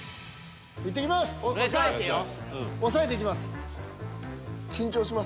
いってきます！